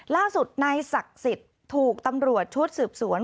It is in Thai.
ล่าสุดนายศักดิ์สิทธิ์ถูกตำรวจชุดสืบสวน